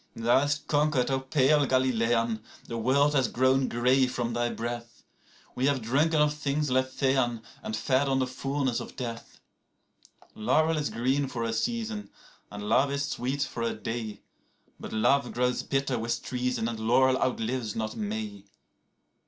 35Thou hast conquered, O pale Galilean; the world has grown grey from thy breath;36We have drunken of things Lethean, and fed on the fullness of death.37Laurel is green for a season, and love is sweet for a day;38But love grows bitter with treason, and laurel outlives not May.